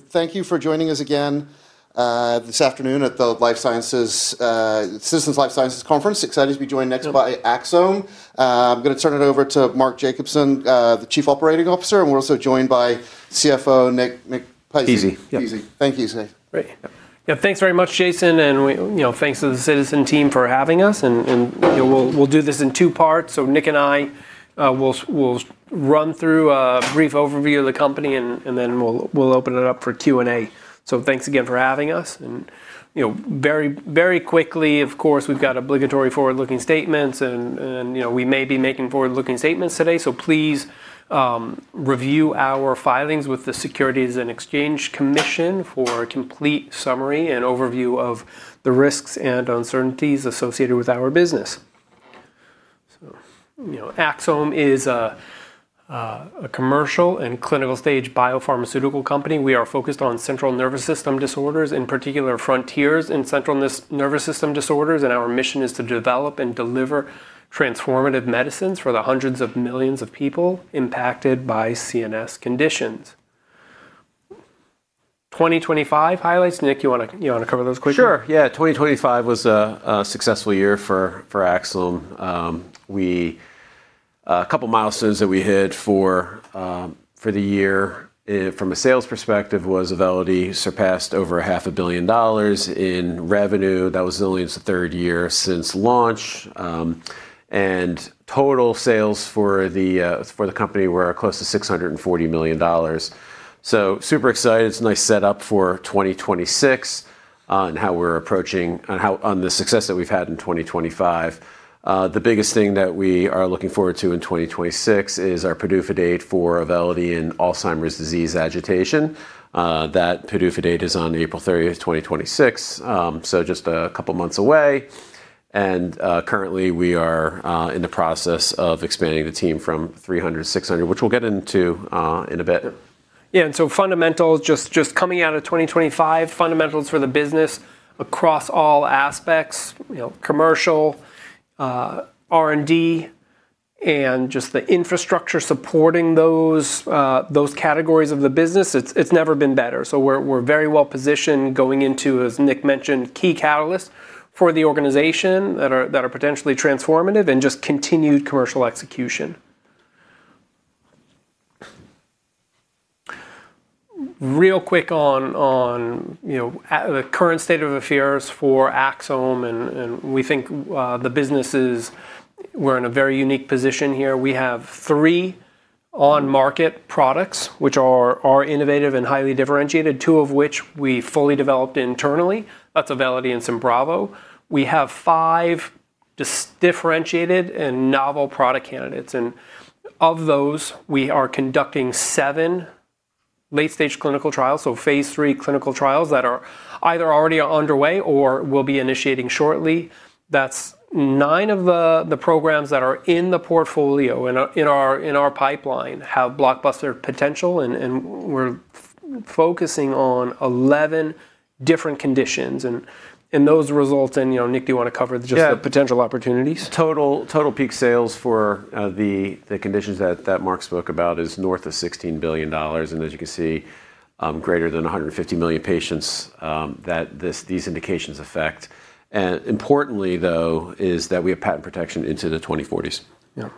Thank you for joining us again this afternoon at the Citizens JMP Life Sciences Conference. Excited to be joined next by Axsome. I'm gonna turn it over to Mark Jacobson, the Chief Operating Officer, and we're also joined by CFO Nick Pizzie. Pizzie. Yep. Pizzie. Thank you, Nick. Great. Yeah, thanks very much, Jason, and we, you know, thanks to the Citizens team for having us and, you know, we'll do this in two parts. Nick and I will run through a brief overview of the company, and then we'll open it up for Q&A. Thanks again for having us, and, you know, very, very quickly, of course, we've got obligatory forward-looking statements and, you know, we may be making forward-looking statements today. Please review our filings with the Securities and Exchange Commission for a complete summary and overview of the risks and uncertainties associated with our business. You know, Axsome is a commercial and clinical stage biopharmaceutical company. We are focused on central nervous system disorders, in particular frontiers in central nervous system disorders, and our mission is to develop and deliver transformative medicines for the hundreds of millions of people impacted by CNS conditions. 2025 highlights, Nick, you wanna cover those quickly? Sure, yeah. 2025 was a successful year for Axsome. A couple milestones that we hit for the year from a sales perspective was Auvelity surpassed over $500 million in revenue. That was only its third year since launch. Total sales for the company were close to $640 million. Super excited. It's a nice set up for 2026 on the success that we've had in 2025. The biggest thing that we are looking forward to in 2026 is our PDUFA date for Auvelity in Alzheimer's disease agitation. That PDUFA date is on April 30, 2026, so just a couple of months away. Currently we are in the process of expanding the team from 300 to 600, which we'll get into in a bit. Yeah. Fundamentals just coming out of 2025, fundamentals for the business across all aspects, you know, commercial, R&D, and just the infrastructure supporting those categories of the business, it's never been better. We're very well positioned going into, as Nick mentioned, key catalysts for the organization that are potentially transformative and just continued commercial execution. Real quick on the current state of affairs for Axsome, and we think the business is. We're in a very unique position here. We have three on-market products, which are innovative and highly differentiated, two of which we fully developed internally. That's Auvelity and SYMBRAVO. We have five differentiated and novel product candidates, and of those, we are conducting seven late-stage clinical trials, so phase III clinical trials, that are either already underway or will be initiating shortly. That's nine of the programs that are in the portfolio, in our pipeline, have blockbuster potential, and we're focusing on 11 different conditions and those result in. You know, Nick, do you wanna cover just the potential opportunities? Yeah. Total peak sales for the conditions that Mark spoke about is north of $16 billion, and as you can see, greater than 150 million patients that these indications affect. Importantly, though, is that we have patent protection into the 2040s. Yeah.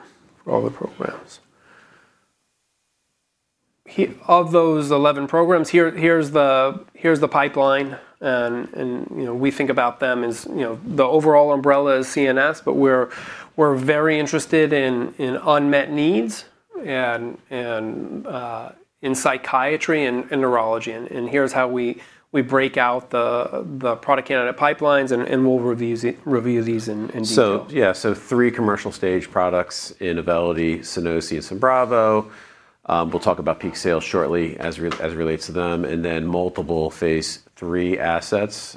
For all the programs. Of those 11 programs, here's the pipeline, and you know, we think about them as, you know, the overall umbrella is CNS, but we're very interested in unmet needs and in psychiatry and neurology. Here's how we break out the product candidate pipelines, and we'll review these in detail. Yeah. Three commercial stage products in Auvelity, Sunosi, SYMBRAVO. We'll talk about peak sales shortly as it relates to them. Then multiple phase III assets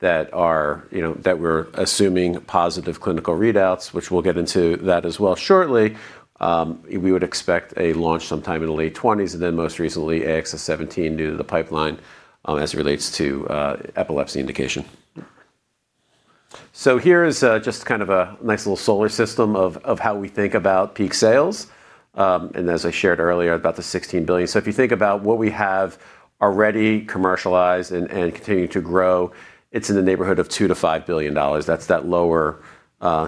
that are, you know, that we're assuming positive clinical readouts, which we'll get into that as well shortly. We would expect a launch sometime in the late 20s, and then most recently AXS-17 due to the pipeline as it relates to epilepsy indication. Here is just kind of a nice little solar system of how we think about peak sales, and as I shared earlier about the $16 billion. If you think about what we have already commercialized and continue to grow, it's in the neighborhood of $2 billion-$5 billion. That's that lower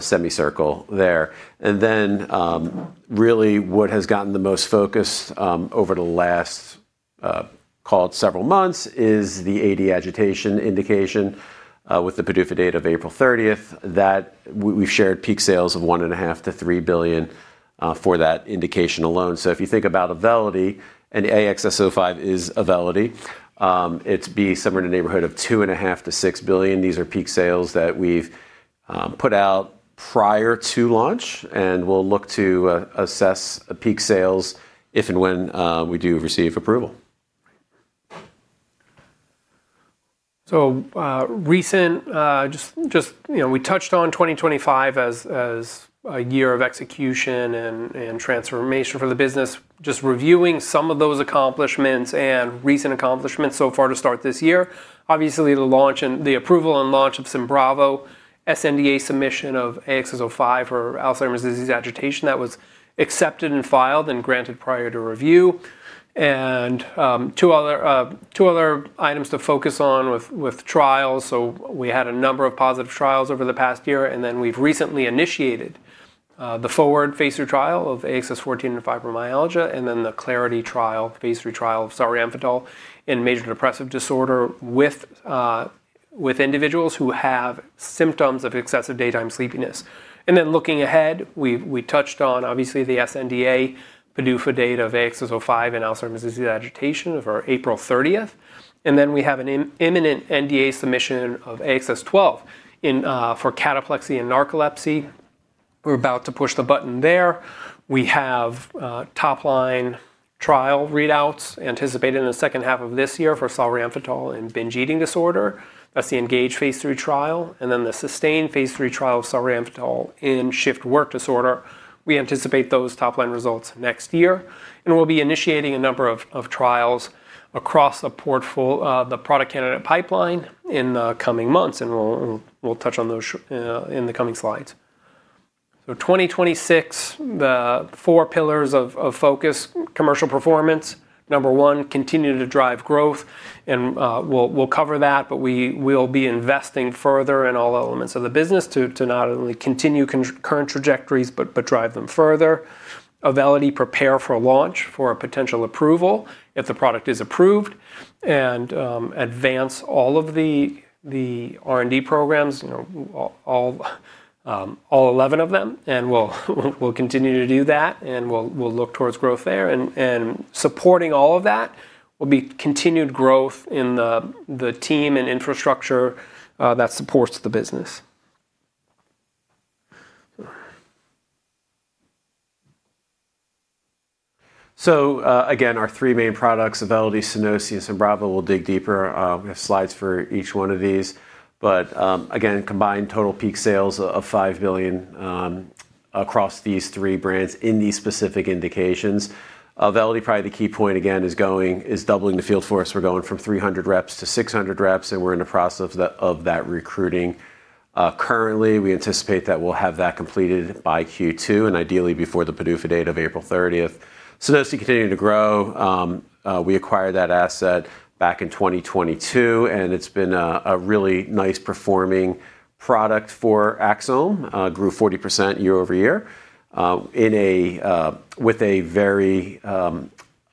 semicircle there. Really what has gotten the most focus over the last call it several months is the AD agitation indication with the PDUFA date of April 30 that we've shared peak sales of $1.5-$3 billion for that indication alone. If you think about Auvelity, and AXS-05 is Auvelity, it'd be somewhere in the neighborhood of $2.5-$6 billion. These are peak sales that we've put out prior to launch, and we'll look to assess peak sales if and when we do receive approval. So, recent just, you know, we touched on 2025 as a year of execution and transformation for the business. Just reviewing some of those accomplishments and recent accomplishments so far to start this year. Obviously, the launch and the approval and launch of SYMBRAVO, sNDA submission of AXS-05 for Alzheimer's disease agitation that was accepted and filed and granted priority review. Two other items to focus on with trials. We had a number of positive trials over the past year, and then we've recently initiated the FORWARD phase III trial of AXS-14 in fibromyalgia and then the CLARITY trial, phase III trial of solriamfetol in major depressive disorder with individuals who have symptoms of excessive daytime sleepiness. Looking ahead, we touched on obviously the sNDA PDUFA date of AXS-05 in Alzheimer's disease agitation of April 30th. We have an imminent NDA submission of AXS-12 for cataplexy and narcolepsy. We're about to push the button there. We have top-line trial readouts anticipated in the second half of this year for solriamfetol in binge eating disorder. That's the ENGAGE phase III trial, and then the SUSTAIN phase III trial of solriamfetol in shift work disorder. We anticipate those top-line results next year, and we'll be initiating a number of trials across the product candidate pipeline in the coming months, and we'll touch on those in the coming slides. 2026, the four pillars of focus commercial performance. Number one, continue to drive growth and, we'll cover that, but we will be investing further in all elements of the business to not only continue concurrent trajectories, but drive them further. Auvelity, prepare for launch for a potential approval if the product is approved. Advance all of the R&D programs, you know, all 11 of them, and we'll continue to do that, and we'll look towards growth there. Supporting all of that will be continued growth in the team and infrastructure that supports the business. Again, our three main products, Auvelity, Sunosi, and SYMBRAVO. We'll dig deeper. We have slides for each one of these. Again, combined total peak sales of $5 billion across these three brands in these specific indications. Auvelity, probably the key point again is doubling the field force. We're going from 300 reps to 600 reps, and we're in the process of that recruiting. Currently, we anticipate that we'll have that completed by Q2, and ideally before the PDUFA date of April 30. Sunosi continuing to grow. We acquired that asset back in 2022, and it's been a really nice performing product for Axsome. Grew 40% year-over-year in a with a very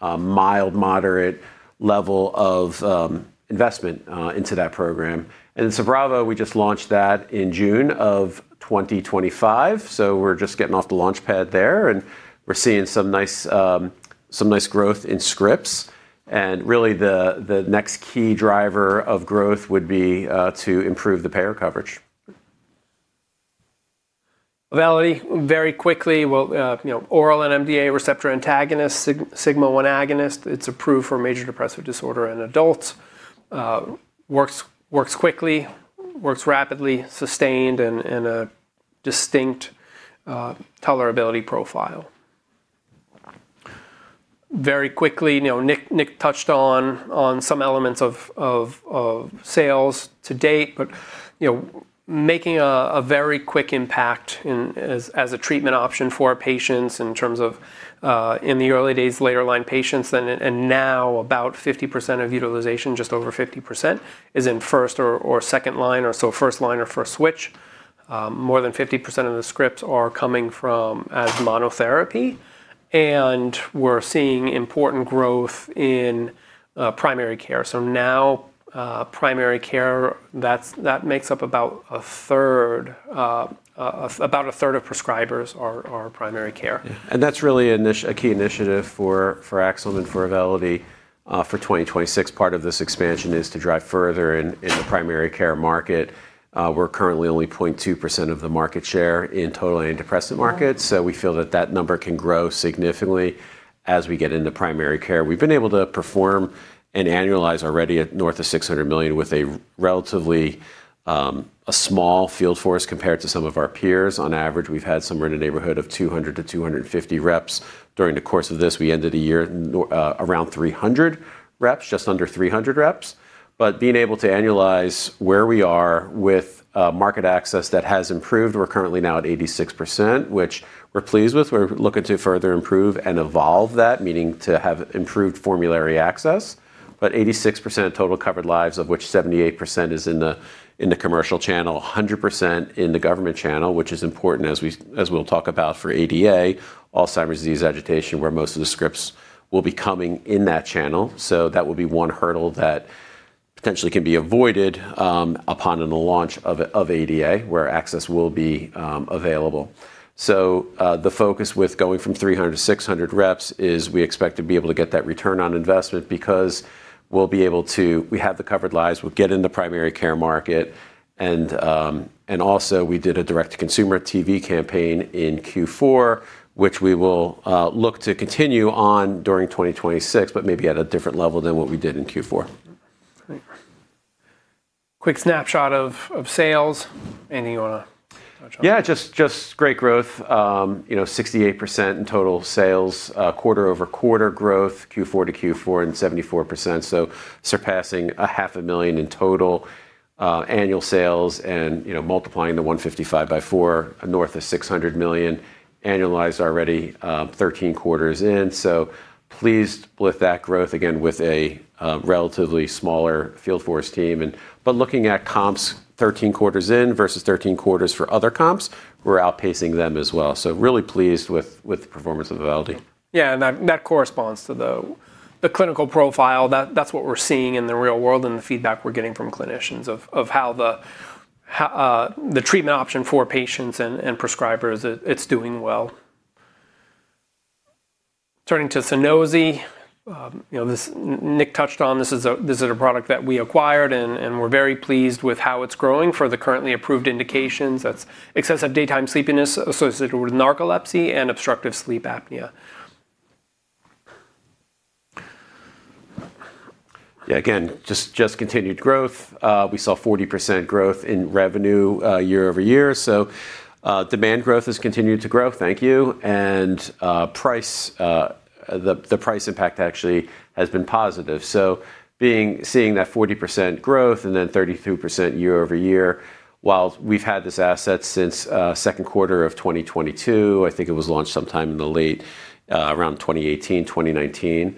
mild to moderate level of investment into that program. SYMBRAVO, we just launched that in June of 2025, so we're just getting off the launch pad there, and we're seeing some nice growth in scripts. Really the next key driver of growth would be to improve the payer coverage. Auvelity, very quickly. Well, you know, oral NMDA receptor antagonist, sigma-1 agonist. It's approved for major depressive disorder in adults. Works quickly, works rapidly, sustained in a distinct tolerability profile. Very quickly, you know, Nick touched on some elements of sales to date. You know, making a very quick impact in as a treatment option for our patients in terms of in the early days, later line patients then and now about 50% of utilization, just over 50% is in first or second line or so first line or first switch. More than 50% of the scripts are coming from as monotherapy. We're seeing important growth in primary care. Now, primary care, that makes up about a third of prescribers are primary care. Yeah. That's really a key initiative for Axsome and for Auvelity for 2026. Part of this expansion is to drive further in the primary care market. We're currently only 0.2% of the market share in total antidepressant markets. We feel that that number can grow significantly as we get into primary care. We've been able to perform and annualize already at north of $600 million with a relatively a small field force compared to some of our peers. On average, we've had somewhere in the neighborhood of 200-250 reps during the course of this. We ended the year around 300 reps, just under 300 reps. Being able to annualize where we are with market access that has improved, we're currently now at 86%, which we're pleased with. We're looking to further improve and evolve that, meaning to have improved formulary access. 86% total covered lives, of which 78% is in the commercial channel, 100% in the government channel, which is important as we'll talk about for ADA, Alzheimer's disease agitation, where most of the scripts will be coming in that channel. That will be one hurdle that potentially can be avoided upon the launch of ADA, where access will be available. The focus with going from 300 to 600 reps is we expect to be able to get that return on investment because we'll be able to. We have the covered lives. We'll get in the primary care market. Also, we did a direct-to-consumer TV campaign in Q4, which we will look to continue on during 2026, but maybe at a different level than what we did in Q4. Great. Quick snapshot of sales. Anything you wanna touch on? Yeah, just great growth, you know, 68% in total sales, quarter-over-quarter growth, Q4 to Q4 and 74%, so surpassing $500 million in total annual sales and, you know, multiplying the 155 by four, north of $600 million annualized already, 13 quarters in. Pleased with that growth again with a relatively smaller field force team. But looking at comps 13 quarters in versus 13 quarters for other comps, we're outpacing them as well. Really pleased with the performance of Auvelity. Yeah. That corresponds to the clinical profile. That's what we're seeing in the real world and the feedback we're getting from clinicians of how the treatment option for patients and prescribers, it's doing well. Turning to Sunosi, you know, Nick touched on this. This is a product that we acquired and we're very pleased with how it's growing for the currently approved indications. That's excessive daytime sleepiness associated with narcolepsy and obstructive sleep apnea. Yeah, again, just continued growth. We saw 40% growth in revenue year-over-year. Demand growth has continued to grow. Thank you. Price, the price impact actually has been positive. Seeing that 40% growth and then 32% year-over-year, while we've had this asset since second quarter of 2022, I think it was launched sometime in the late around 2018, 2019,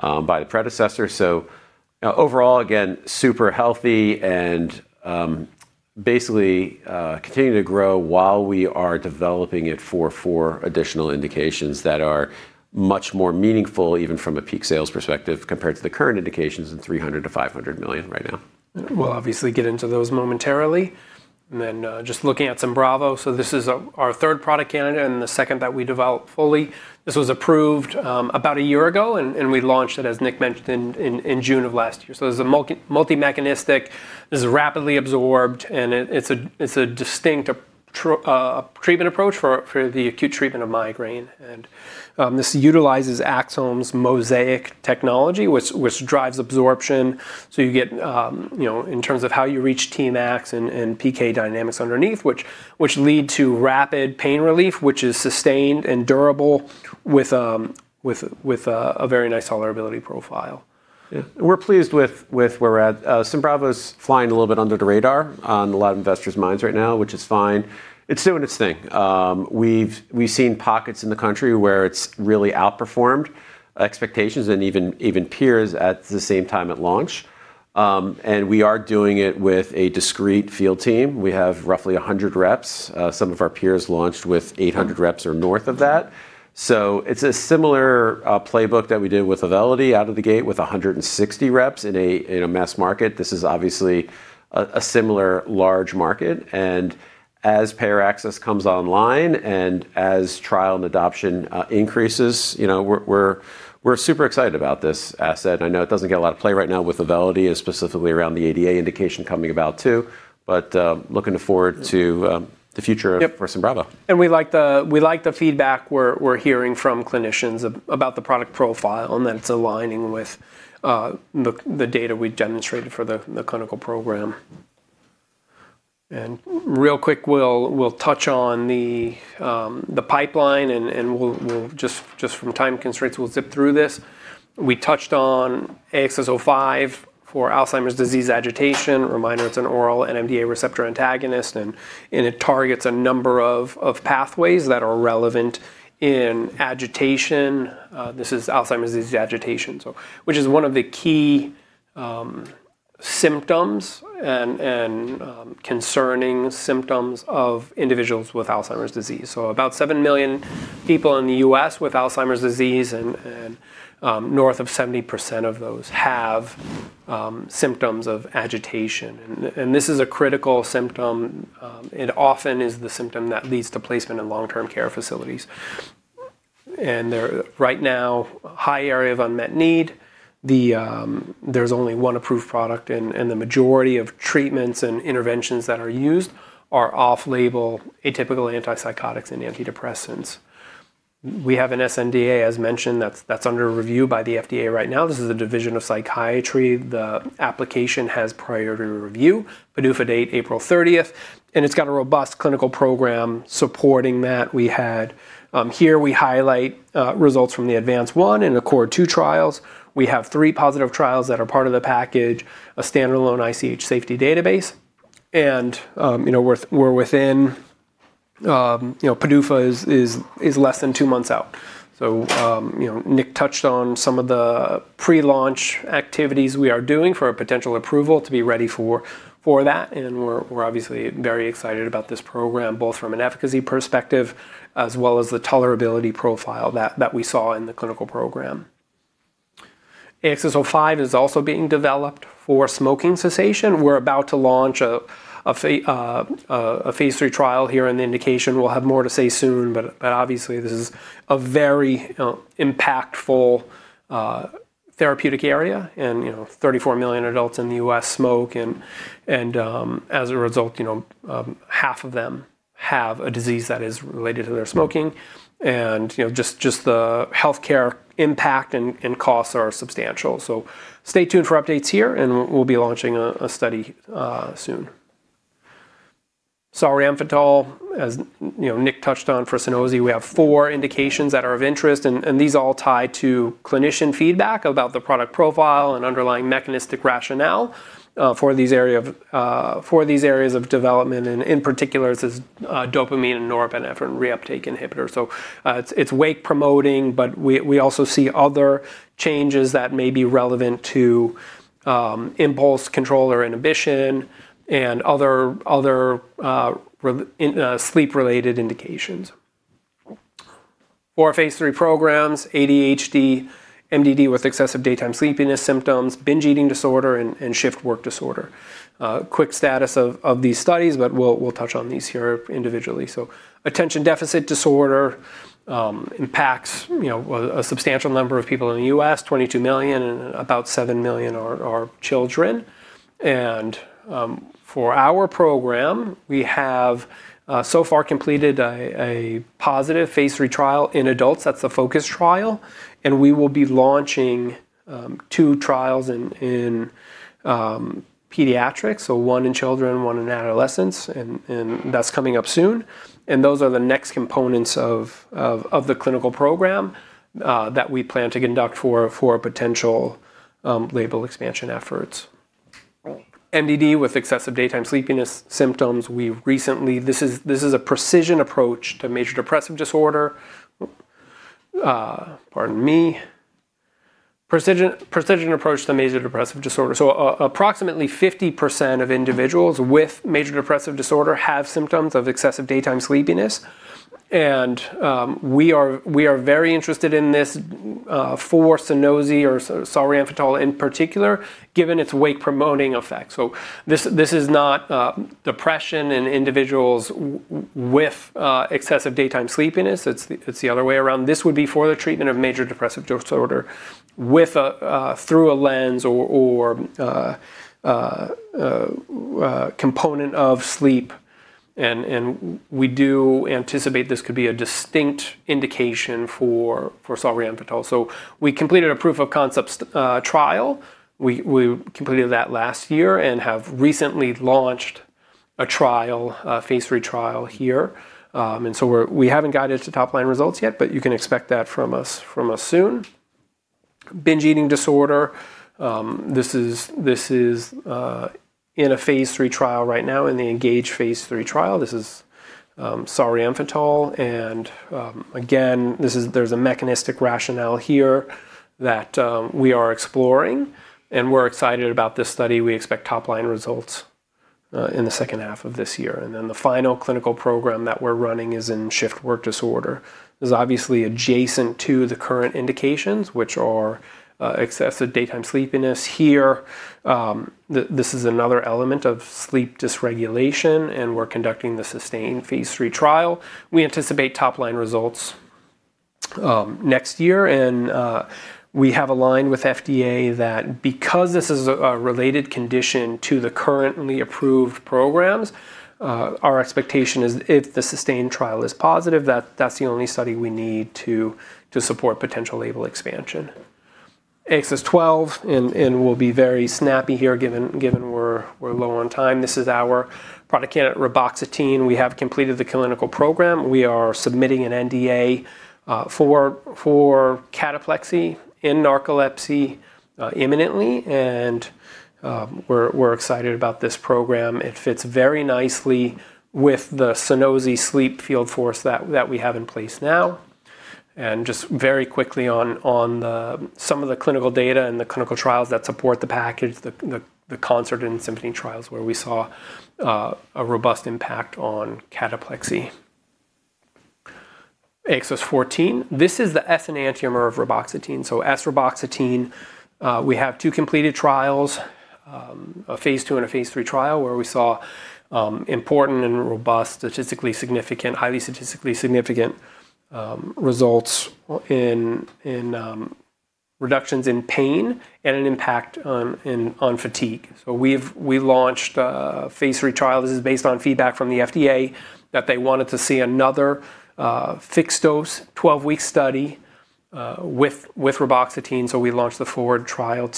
by the predecessor. Overall, again, super healthy and basically continuing to grow while we are developing it for four additional indications that are much more meaningful, even from a peak sales perspective, compared to the current indications in $300 million-$500 million right now. We'll obviously get into those momentarily. Then just looking at Symbravo. This is our third product candidate and the second that we developed fully. This was approved about a year ago, and we launched it, as Nick mentioned, in June of last year. This is a multi-mechanistic, this is rapidly absorbed, and it's a distinct treatment approach for the acute treatment of migraine. This utilizes Axsome's MoSEIC technology, which drives absorption. You get, you know, in terms of how you reach Tmax and PK dynamics underneath, which lead to rapid pain relief, which is sustained and durable with a very nice tolerability profile. Yeah. We're pleased with where we're at. SYMBRAVO's flying a little bit under the radar on a lot of investors' minds right now, which is fine. It's doing its thing. We've seen pockets in the country where it's really outperformed expectations and even peers at the same time at launch. We are doing it with a discrete field team. We have roughly 100 reps. Some of our peers launched with 800 reps or north of that. It's a similar playbook that we did with Auvelity out of the gate with 160 reps in a mass market. This is obviously a similar large market. As payer access comes online and as trial and adoption increases, you know, we're super excited about this asset. I know it doesn't get a lot of play right now with Auvelity, and specifically around the ADHD indication coming about too. Looking forward to the future for SYMBRAVO. We like the feedback we're hearing from clinicians about the product profile, and that it's aligning with the data we demonstrated for the clinical program. Real quick, we'll touch on the pipeline, and we'll just from time constraints zip through this. We touched on AXS-05 for Alzheimer's disease agitation. Reminder, it's an oral NMDA receptor antagonist, and it targets a number of pathways that are relevant in agitation. This is Alzheimer's disease agitation, which is one of the key symptoms and concerning symptoms of individuals with Alzheimer's disease. About 7 million people in the U.S. with Alzheimer's disease and north of 70% of those have symptoms of agitation. This is a critical symptom. It often is the symptom that leads to placement in long-term care facilities. They're right now a high area of unmet need. There's only one approved product, and the majority of treatments and interventions that are used are off-label atypical antipsychotics and antidepressants. We have an sNDA, as mentioned, that's under review by the FDA right now. This is the Division of Psychiatry. The application has priority review, PDUFA date April 30th, and it's got a robust clinical program supporting that. We highlight results from the ADVANCE-1 and the ACCORD-2 trials. We have three positive trials that are part of the package, a standalone ICH safety database, and you know, we're within, you know, PDUFA is less than two months out. You know, Nick touched on some of the pre-launch activities we are doing for a potential approval to be ready for that. We're obviously very excited about this program, both from an efficacy perspective as well as the tolerability profile that we saw in the clinical program. AXS-05 is also being developed for smoking cessation. We're about to launch a Phase III trial in this indication. We'll have more to say soon, but obviously this is a very impactful therapeutic area. You know, 34 million adults in the U.S. smoke and, as a result, you know, half of them have a disease that is related to their smoking. You know, just the healthcare impact and costs are substantial. Stay tuned for updates here, and we'll be launching a study soon. Solriamfetol, as you know, Nick touched on for Sunosi, we have four indications that are of interest and these all tie to clinician feedback about the product profile and underlying mechanistic rationale for these areas of development, and in particular, this is dopamine and norepinephrine reuptake inhibitor. It's wake promoting, but we also see other changes that may be relevant to impulse control or inhibition and other sleep-related indications. Four phase III programs, ADHD, MDD with excessive daytime sleepiness symptoms, binge eating disorder and shift work disorder. Quick status of these studies, but we'll touch on these here individually. Attention deficit disorder impacts, you know, a substantial number of people in the U.S., 22 million, and about 7 million are children. For our program, we have so far completed a positive Phase III trial in adults. That's the FOCUS trial, and we will be launching two trials in pediatrics, so one in children, one in adolescents, and that's coming up soon. Those are the next components of the clinical program that we plan to conduct for potential label expansion efforts. MDD with excessive daytime sleepiness symptoms, we've recently. This is a precision approach to major depressive disorder. Pardon me. Precision approach to major depressive disorder. Approximately 50% of individuals with major depressive disorder have symptoms of excessive daytime sleepiness, and we are very interested in this for Sunosi or solriamfetol in particular, given its wake-promoting effect. This is not depression in individuals with excessive daytime sleepiness. It's the other way around. This would be for the treatment of major depressive disorder with a through a lens or component of sleep, and we do anticipate this could be a distinct indication for solriamfetol. We completed a proof of concept trial. We completed that last year and have recently launched a trial, a phase III trial here. We haven't gotten to top-line results yet, but you can expect that from us soon. Binge eating disorder, this is in a phase III trial right now, in the ENGAGE phase III trial. This is solriamfetol, and again, there's a mechanistic rationale here that we are exploring, and we're excited about this study. We expect top-line results in the second half of this year. The final clinical program that we're running is in shift work disorder. This is obviously adjacent to the current indications, which are excessive daytime sleepiness. Here, this is another element of sleep dysregulation, and we're conducting the SUSTAIN phase III trial. We anticipate top-line results next year and we have aligned with FDA that because this is a related condition to the currently approved programs, our expectation is if the SUSTAIN trial is positive, that's the only study we need to support potential label expansion. AXS-12, and we'll be very snappy here given we're low on time. This is our product candidate reboxetine. We have completed the clinical program. We are submitting an NDA for cataplexy in narcolepsy imminently, and we're excited about this program. It fits very nicely with the Sunosi sleep field force that we have in place now. Just very quickly on some of the clinical data and the clinical trials that support the package, the CONCERT and SYMPHONY trials, where we saw a robust impact on cataplexy. AXS-14. This is the S enantiomer of reboxetine, so S-reboxetine. We have two completed trials, a phase II and a phase III trial, where we saw important and robust, statistically significant, highly statistically significant results in reductions in pain and an impact on fatigue. We've launched a phase III trial. This is based on feedback from the FDA that they wanted to see another fixed-dose, 12-week study with reboxetine. We launched the FORWARD trial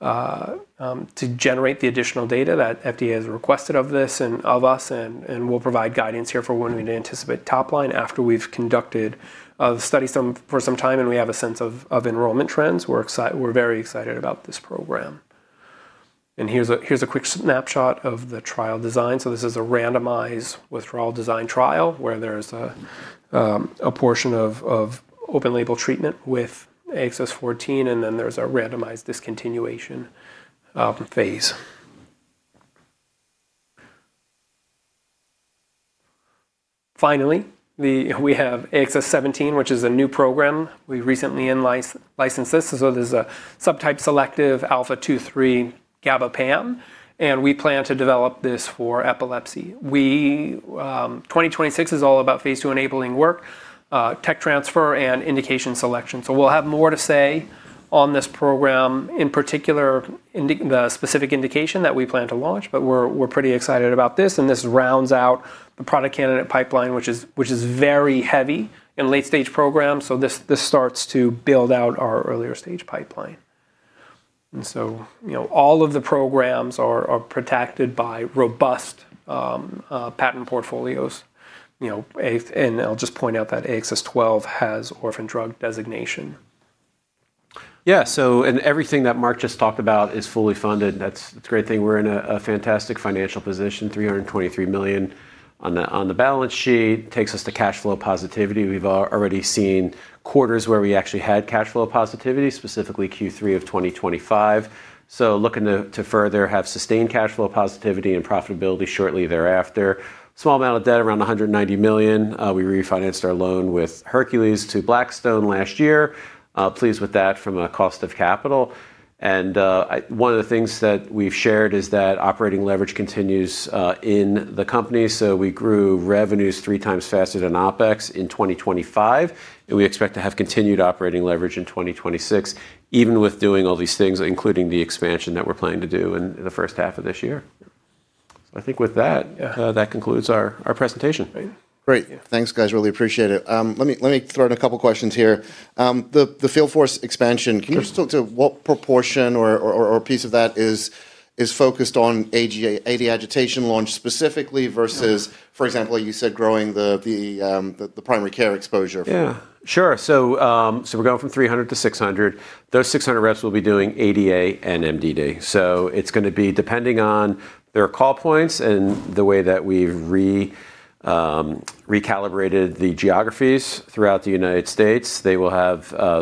to generate the additional data that FDA has requested of this and of us, and we'll provide guidance here for when we'd anticipate top line after we've conducted a study for some time, and we have a sense of enrollment trends. We're very excited about this program. Here's a quick snapshot of the trial design. This is a randomized withdrawal design trial where there's a portion of open label treatment with AXS-14, and then there's a randomized discontinuation phase. Finally, we have AXS-17, which is a new program. We recently in-licensed this. This is a subtype-selective alpha-2/3 GABAA PAM, and we plan to develop this for epilepsy. 2026 is all about phase II enabling work, tech transfer, and indication selection. We'll have more to say on this program, in particular, the specific indication that we plan to launch, but we're pretty excited about this, and this rounds out the product candidate pipeline, which is very heavy in late-stage programs. This starts to build out our early-stage pipeline. You know, all of the programs are protected by robust patent portfolios, you know, and I'll just point out that AXS-12 has Orphan Drug Designation. Everything that Mark just talked about is fully funded. That's the great thing, we're in a fantastic financial position, $323 million on the balance sheet takes us to cash flow positivity. We've already seen quarters where we actually had cash flow positivity, specifically Q3 of 2025. Looking to further have sustained cash flow positivity and profitability shortly thereafter. Small amount of debt, around $190 million. We refinanced our loan with Hercules to Blackstone last year. Pleased with that from a cost of capital. One of the things that we've shared is that operating leverage continues in the company. We grew revenues three times faster than OpEx in 2025, and we expect to have continued operating leverage in 2026, even with doing all these things, including the expansion that we're planning to do in the first half of this year. I think with that. Yeah. That concludes our presentation. Yeah. Great. Yeah. Thanks, guys. Really appreciate it. Let me throw in a couple of questions here. The field force expansion, can you just talk to what proportion or piece of that is focused on AD agitation launch specifically versus for example, you said growing the primary care exposure. Yeah. Sure. We're going from 300 to 600. Those 600 reps will be doing ADA and MDD. It's gonna be depending on their call points and the way that we've recalibrated the geographies throughout the United States. The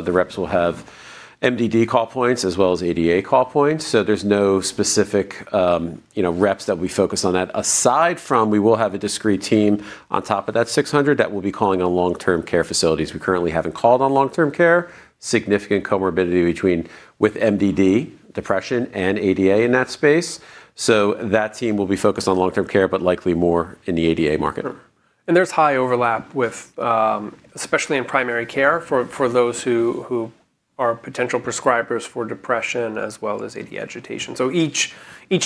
reps will have MDD call points as well as ADA call points. There's no specific, you know, reps that we focus on that. Aside from, we will have a discrete team on top of that 600 that will be calling on long-term care facilities. We currently haven't called on long-term care. Significant comorbidity with MDD, depression, and ADA in that space. That team will be focused on long-term care, but likely more in the ADA market. There's high overlap with, especially in primary care for those who are potential prescribers for depression as well as AD agitation. Each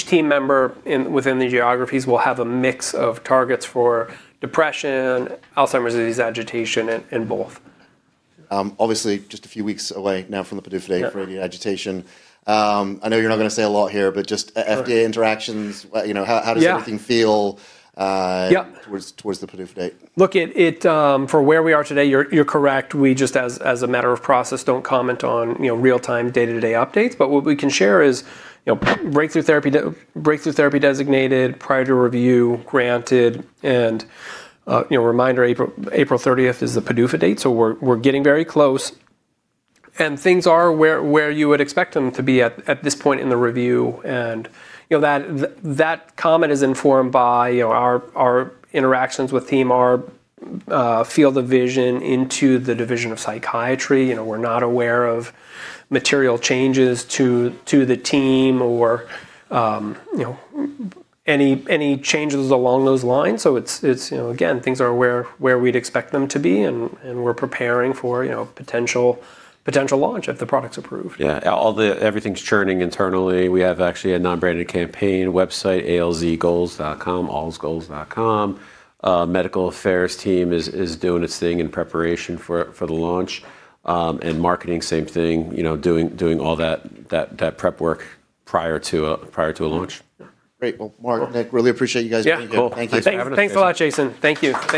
team member within the geographies will have a mix of targets for depression, Alzheimer's disease agitation, and both. Obviously, just a few weeks away now from the PDUFA for the agitation. I know you're not gonna say a lot here, but just FDA interactions, you know, how does everything feel towards the PDUFA date? Look, for where we are today, you're correct. We just as a matter of process don't comment on, you know, real-time day-to-day updates. What we can share is, you know, Breakthrough Therapy designated prior to review, granted, and, you know, reminder, April thirtieth is the PDUFA date. We're getting very close and things are where you would expect them to be at this point in the review. You know, that comment is informed by, you know, our interactions with team, our field of vision into the Division of Psychiatry. You know, we're not aware of material changes to the team or, you know, any changes along those lines. It's you know again things are where we'd expect them to be and we're preparing for you know potential launch if the product's approved. Yeah. Everything's churning internally. We have actually a non-branded campaign website, ALZgoals.com, ALZgoals.com. Medical affairs team is doing its thing in preparation for the launch. Marketing, same thing, you know, doing all that prep work prior to a launch. Great. Well, Mark, Nick, really appreciate you guys being here. Yeah, cool. Thank you. Thanks for having us. Thanks a lot, Jason. Thank you. Thanks, everybody.